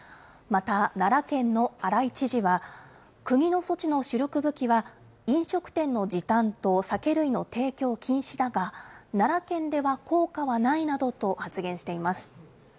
また、奈良県の荒井知事は、国の措置の主力武器は、飲食店の時短と酒類の提供禁止だが、奈良県では効果はないなどと発言しています。